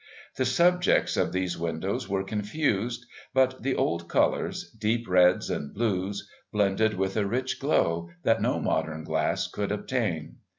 The subjects of these windows were confused, but the old colours, deep reds and blues, blended with a rich glow that no modern glass could obtain.